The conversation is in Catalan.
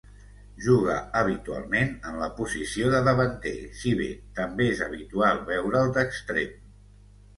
Juga habitualment en la posició de davanter, si bé també és habitual veure'l d'extrem.